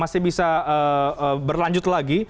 masih bisa berlanjut lagi